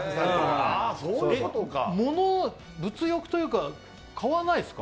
物欲というか、買わないんですか？